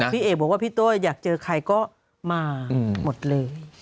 พี่เอกบอกว่าพี่โต้อยากเจอใครก็มาหมดเลย